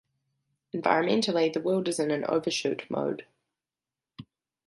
Environmentally, the world is in an overshoot mode.